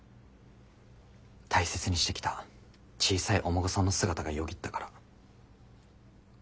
大切にしてきた小さいお孫さんの姿がよぎったから。